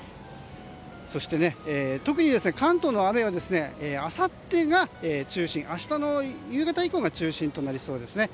そして特に関東の雨は明日の夕方以降が中心となりそうですね。